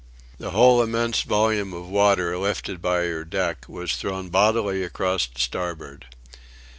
The whole immense volume of water, lifted by her deck, was thrown bodily across to starboard.